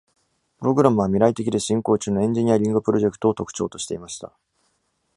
プログラムは、未来的で進行中のエンジニアリングプロジェクトを特徴としていました。